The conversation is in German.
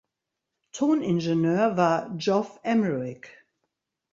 Toningenieur war Geoff Emerick.